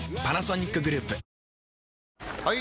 ・はい！